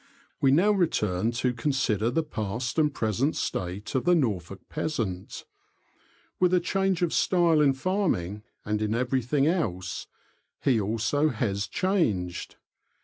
We now return to consider the past and present state of the Norfolk peasant. With a change of style in farming, and in everything else, he also has changed.